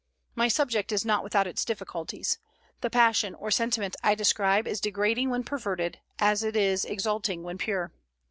My subject is not without its difficulties. The passion or sentiment I describe is degrading when perverted, as it is exalting when pure.